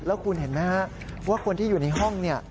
แล้วคุณเห็นไหมฮะว่าคนที่อยู่ในห้องเนี่ย